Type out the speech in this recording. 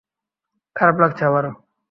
খারাপ লাগছে আবারো?